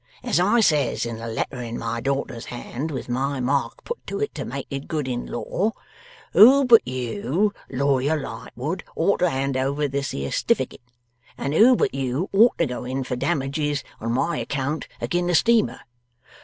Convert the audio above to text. As I says in the letter in my daughter's hand, with my mark put to it to make it good in law, Who but you, Lawyer Lightwood, ought to hand over this here stifficate, and who but you ought to go in for damages on my account agin the Steamer?